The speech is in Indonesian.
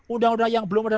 undang undang yang belum ada